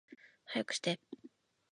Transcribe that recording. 早くして